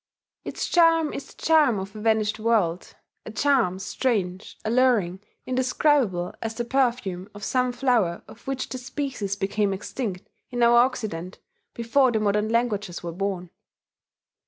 Its charm is the charm of a vanished world a charm strange, alluring, indescribable as the perfume of some flower of which the species became extinct in our Occident before the modern languages were born.